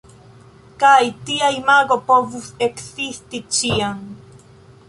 Kaj tia imago povus ekzisti ĉiam.